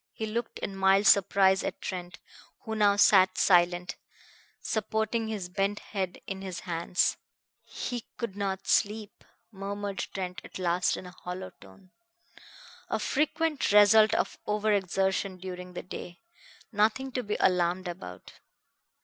He looked in mild surprise at Trent, who now sat silent, supporting his bent head in his hands. "He could not sleep!" murmured Trent at last in a hollow tone. "A frequent result of over exertion during the day. Nothing to be alarmed about."